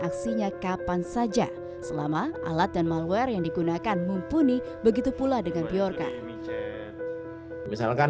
aksinya kapan saja selama alat dan malware yang digunakan mumpuni begitu pula dengan bjorka misalkan